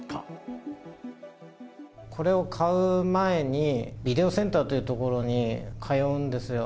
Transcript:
これを買う前に、ビデオセンターという所に通うんですよ。